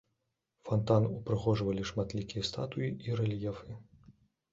Фантан упрыгожвалі шматлікія статуі і рэльефы.